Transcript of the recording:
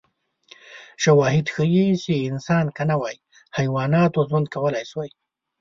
شواهد ښيي چې انسان که نه وای، حیواناتو ژوند کولای شوی.